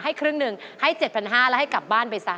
ให้ครึ่งหนึ่งให้๗๕๐๐บาทแล้วให้กลับบ้านไปซะ